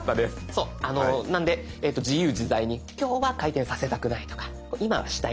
そうなんで自由自在に今日は回転させたくないとか今はしたいんだ。